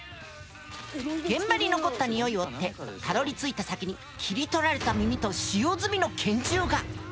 現場に残った匂いを追ってたどりついた先に切り取られた耳と使用済みの拳銃が！